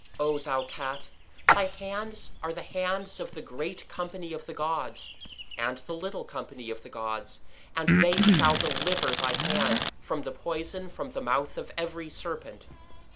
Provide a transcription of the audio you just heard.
O thou Cat, thy hands 25 are the hands of the Great Company of the gods and the Little Company of the gods, and they shall deliver thy hand from the poison from the mouth of every serpent.